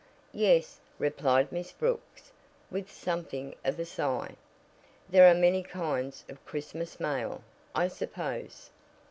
"Yes," replied Miss Brooks, with something of a sigh. "There are many kinds of Christmas mail, I suppose."